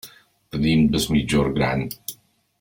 Venim des Migjorn Gran.